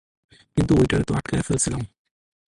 কিন্তু ওইটারে তো আটকায় ফেলসিলাম।